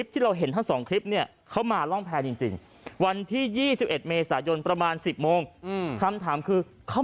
แพทย์ลำเภยอาทีมข่าวลงไปที่แพทย์ลำเภยเลย